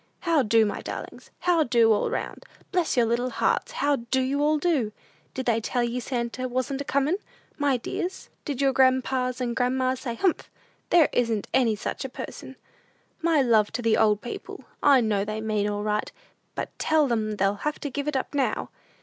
"How do, my darlings? How do, all round? Bless your little hearts, how do you all do? Did they tell ye Santa wasn't a comin', my dears? Did your grandpas and grandmas say, 'Humph! there isn't any such a person.' My love to the good old people. I know they mean all right; but tell them they'll have to give it up now!"